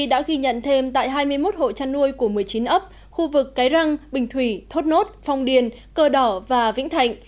đã ghi nhận thêm tại hai mươi một hộ chăn nuôi của một mươi chín ấp khu vực cái răng bình thủy thốt nốt phong điền cờ đỏ và vĩnh thạnh